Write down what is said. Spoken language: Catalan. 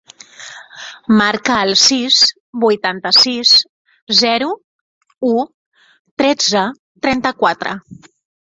Marca el sis, vuitanta-sis, zero, u, tretze, trenta-quatre.